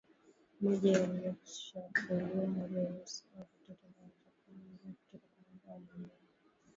maji yaliyochafuliwa na vijusi au vitoto na uchafu mwingine kutoka kwa ng'ombe au ngamia